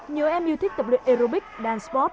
nhiều em yêu thích tập luyện aerobics dance sport